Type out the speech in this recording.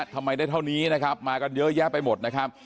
ทำไมได้เท่านี้นะครับมากันเยอะแยะไปหมดนะครับ